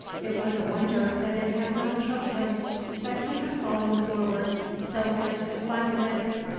It was a wonder that it had not choked him, but he had fallen forward so as to slacken it.